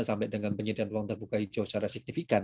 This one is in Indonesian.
sampai dengan penyediaan ruang terbuka hijau secara signifikan